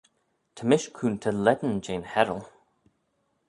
Ta mish coontey lane jeh'n Heral.